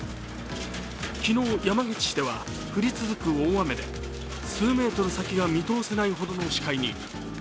昨日、山口市では降り続く大雨で数メートル先が見通せないほどの視界に。